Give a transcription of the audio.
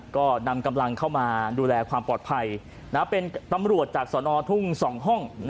ก็นำกำลังเข้ามาดูแลความปลอดภัยเป็นตำรวจจากสนทุ่ง๒ห้อง